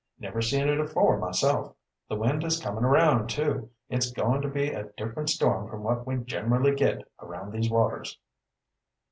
"Never seen it afore myself. The wind is coming around, too. It's goin' to be a different storm from what we generally git around these waters."